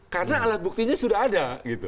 karena alat buktinya sudah ada